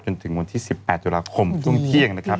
จนถึงวันที่๑๘ตุลาคมช่วงเที่ยงนะครับ